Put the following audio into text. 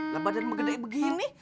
lah badan megede begini